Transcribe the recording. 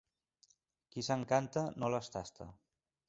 Qui s'encanta no les tasta.